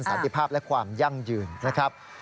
สันติภาพและความยั่งยืนนะครับ